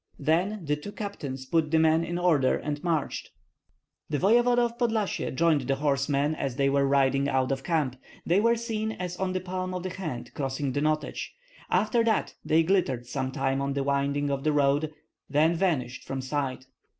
Then the two captains put the men in order and marched. The voevoda of Podlyasye joined the horsemen as they were riding out of camp. They were seen as on the palm of the hand crossing the Notets; after that they glittered some time on the windings of the road, then vanished from sight.